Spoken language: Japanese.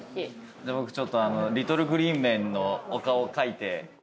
じゃあ僕ちょっとリトル・グリーン・メンのお顔描いて。